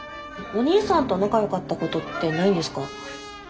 お兄さんと仲良かったことってないんですか？